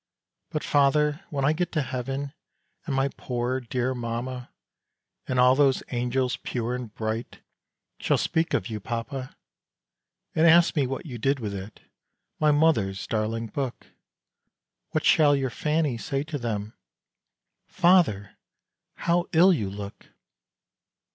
"But, father, when I get to heaven And my poor dear mamma, And all those angels pure and bright Shall speak of you, papa! "And ask me what you did with it, My mother's darling book What shall your Fanny say to them? Father! how ill you look!"